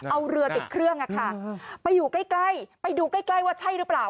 เอาเรือติดเครื่องไปอยู่ใกล้ไปดูใกล้ว่าใช่หรือเปล่า